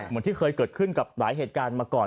เหมือนที่เคยเกิดขึ้นกับหลายเหตุการณ์มาก่อน